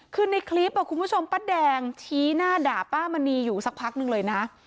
คือในคลิปคุณผู้ชมป้าแดงชี้หน้าด่าป้ามณีอยู่สักพักหนึ่งเลยนะ